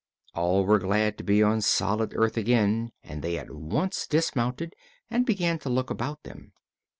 All were glad to be on solid earth again and they at once dismounted and began to look about them.